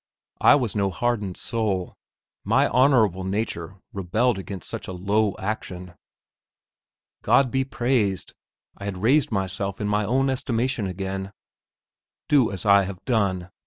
I was no hardened soul; my honourable nature rebelled against such a low action. God be praised, I had raised myself in my own estimation again! "Do as I have done!"